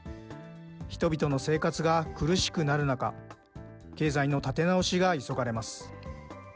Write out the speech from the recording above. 人々の生活が苦しくなる中、経済の立て直しが急がれます。